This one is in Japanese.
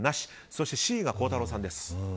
そしてＣが孝太郎さん。